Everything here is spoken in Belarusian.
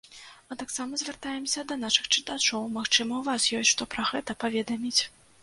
А таксама звяртаемся да нашых чытачоў, магчыма, у вас ёсць што пра гэта паведаміць.